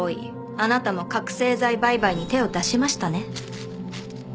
あなたも覚醒剤売買に手を出しましたね。